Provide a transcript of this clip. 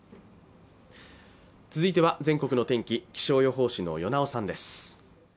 続いては全国の天気気象予報士の與猶さんです